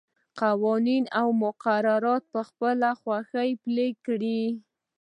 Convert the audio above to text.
قوانین او مقررات په خپله خوښه پلي کړي.